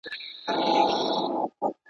د زمان بلال به کله، کله ږغ کي.